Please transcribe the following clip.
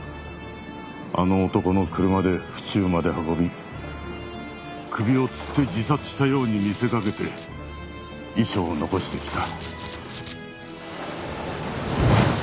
あの男の車で府中まで運び首をつって自殺したように見せかけて遺書を残してきた。